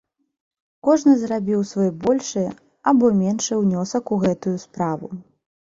Кожны зрабіў свой большы або меншы ўнёсак у гэтую справу.